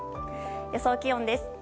予想気温です。